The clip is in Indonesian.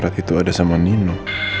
kenapa surat itu ada sama nino